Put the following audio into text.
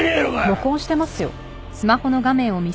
録音してますよ。